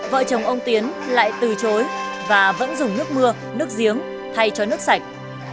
vợ chồng ông tiến lại từ chối và vẫn dùng nước mưa nước giếng thay cho nước sạch